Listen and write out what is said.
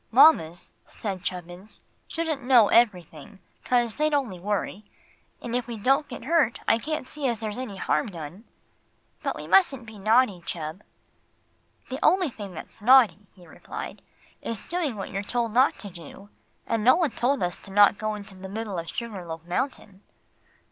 "Mamas," said Chubbins, "shouldn't know everything, 'cause they'd only worry. And if we don't get hurt I can't see as there's any harm done." "But we mustn't be naughty, Chub." "The only thing that's naughty," he replied, "is doing what you're told not to do. And no one told us not to go into the middle of Sugar Loaf Mountain."